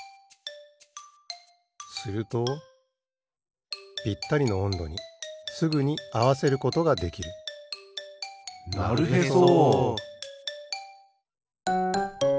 するとぴったりのおんどにすぐにあわせることができるなるへそ！